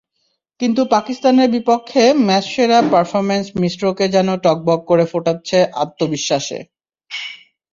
কিন্তু পাকিস্তানের বিপক্ষে ম্যাচসেরা পারফরম্যান্স মিশ্রকে যেন টগবগ করে ফোটাচ্ছে আত্মবিশ্বাসে।